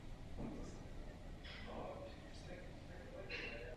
Václava Malého a působí jako nemocniční kaplan.